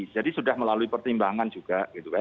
jadi sudah melalui pertimbangan juga